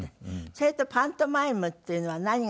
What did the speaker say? それとパントマイムっていうのは何が違うんですか？